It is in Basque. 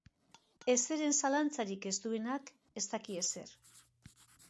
Ezeren zalantzarik ez duenak ez daki ezer.